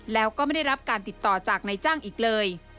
แล้วก็ไม่ได้รับการติดต่อจากนายจ้างอีกเลย